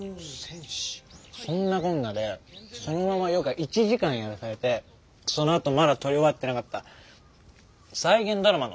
そんなこんなでそのままヨガ１時間やらされてそのあとまだ撮り終わってなかった再現ドラマの再現？